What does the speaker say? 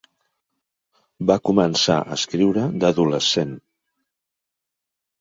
Va començar a escriure d'adolescent.